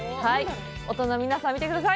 大人の皆さん、見てください。